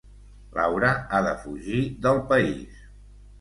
Laura ha de fugir del país.